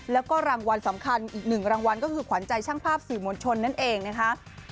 แล้วก็รางวัลสำคัญอีกหนึ่งรางวัลก็คือขวัญใจช่างภาพสื่อมวลชนนั่นเองนะคะ